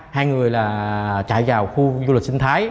hai người là chạy vào khu du lịch sinh thái